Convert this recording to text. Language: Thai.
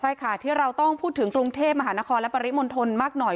ใช่ค่ะที่เราต้องพูดถึงกรุงเทพมหานครและปริมณฑลมากหน่อย